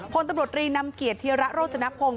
พลตำรวจรีนำเกียจเทียระโรจนักพงษ์